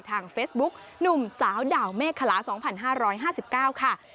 ทางเฟซบุ๊กหนุ่มสาวดาวเมฆคลา๒๕๕๙ค่ะ